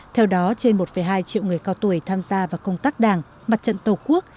theo đó trên một hai triệu người cao tuổi tham gia vào công tác đảng mặt trận tổ quốc